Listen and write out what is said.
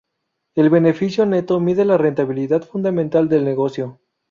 El beneficio neto mide la rentabilidad fundamental del negocio.